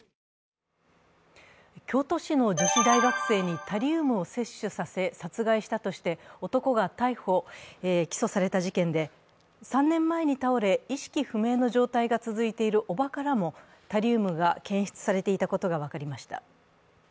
京都市の女子大学生にタリウムを摂取させ殺害したとして男が逮捕・起訴された事件で３年前に倒れ、意識不明の状態が続いている叔母からもタリウムが検出されていたことが分かりました。